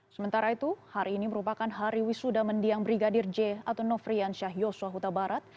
sementara itu hari ini merupakan hari wisuda mendiang brigadir j atau nofrian syah yosua huta barat